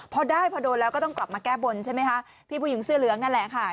พอได้พอโดนแล้วก็ต้องกลับมาแก้บนใช่ไหมคะพี่ผู้หญิงเสื้อเหลืองนั่นแหละค่ะ